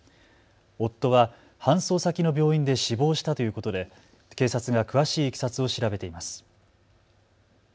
夫は搬送先の病院で死亡したということで警察が詳しいいきさつを調べています。